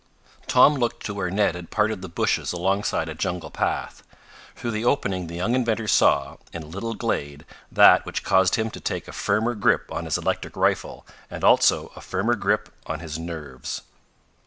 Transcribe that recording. Tom looked to where Ned had parted the bushes alongside a jungle path. Through the opening the young inventor saw, in a little glade, that which caused him to take a firmer grip on his electric rifle, and also a firmer grip on his nerves.